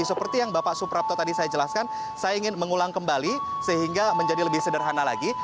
seperti yang bapak suprapto tadi saya jelaskan saya ingin mengulang kembali sehingga menjadi lebih sederhana lagi